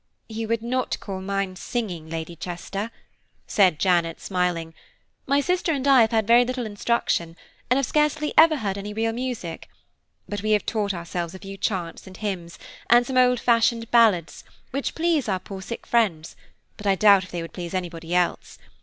"You would not call mine singing, Lady Chester," said Janet, smiling, "my sister and I have had very little instruction, and have scarcely ever heard any real music; but we have taught ourselves a few chants and hymns, and some old fashioned ballads, which please our poor sick friends, but I doubt if they would please anybody else.